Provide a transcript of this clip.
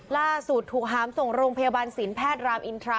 ล่าสุดถูกหามส่งโรงพยาบาลศีลแพทย์รามอินทรา